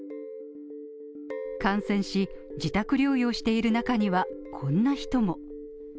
感染し、自宅療養している中には、こんな人も。